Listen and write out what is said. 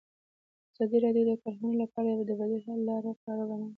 ازادي راډیو د کرهنه لپاره د بدیل حل لارې په اړه برنامه خپاره کړې.